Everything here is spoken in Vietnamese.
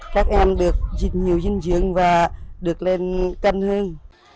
các em được nhiều dinh dưỡng và được lên canh hơn